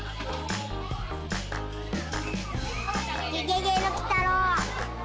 ゲゲゲのきたろう。